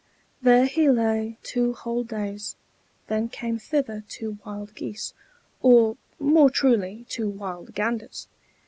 There he lay two whole days; then came thither two wild geese, or, more truly, two wild ganders.